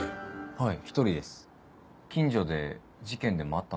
はい。